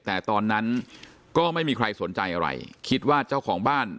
แต่ตอนนั้นก็ไม่มีใครสนใจอะไรคิดว่าเจ้าของบ้าน